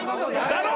だろ？